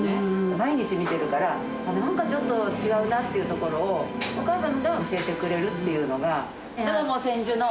毎日見てるから、なんかちょっと違うなっていうところを、お母さんが教えてくれるというのが。